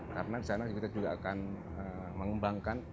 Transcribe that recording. karena di sana kita juga akan mengembangkan